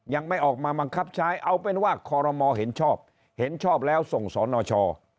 ยังไม่ออกมาบังคับใช้เอาเป็นว่าคอรมอเห็นชอบเห็นชอบแล้วส่งสนช